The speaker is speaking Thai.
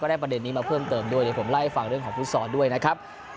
ได้ประเด็นนี้มาเพิ่มเติมด้วยเดี๋ยวผมไล่ฟังเรื่องของฟุตซอลด้วยนะครับ